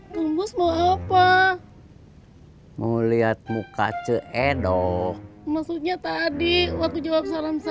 tumbus mau apa mau lihat muka ceedoh maksudnya tadi waktu jawab salam saya